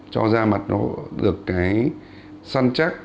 cho da mặt nó được cái săn chắc